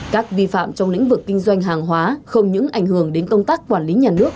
các vi phạm trong lĩnh vực kinh doanh hàng hóa không những ảnh hưởng đến công tác quản lý nhà nước